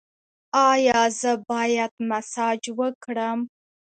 ایا زه باید مساج وکړم؟